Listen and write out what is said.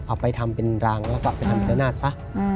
เอาไปทำเป็นรางแล้วก็ไปทำพญานาคซะ